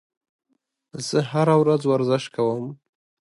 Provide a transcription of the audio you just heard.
زه هره ورځ ورزش کوم.